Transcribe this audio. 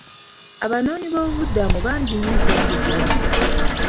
Abanoonyiboobubudamu bangi nnyo ensangi zino.